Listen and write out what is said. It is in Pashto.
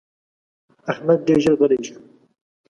احمد ډېر ژر غلی شو.